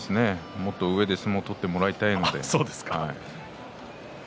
もっと上で相撲を取ってもらいたいですからね。